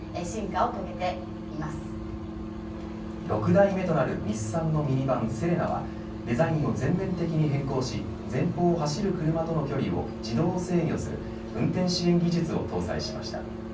６代目となる日産のミニバン、セレナはデザインを全面的に変更し前方を走る車との距離を自動制御する運転支援技術を搭載しました。